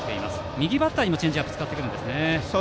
右バッターにもチェンジアップを使ってくるんですね。